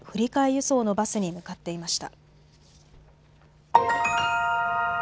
輸送のバスに向かっていました。